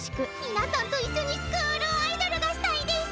皆さんと一緒にスクールアイドルがしたいです！